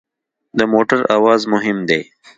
د موټر اواز مهم دی.